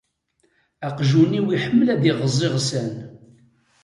Aqjun-iw iḥemmel ad iɣeẓẓ iɣsan.